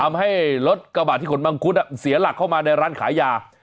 ทำให้รถกระบาดที่ขนมมังคุดเสียหลักเข้ามาในร้านขายยา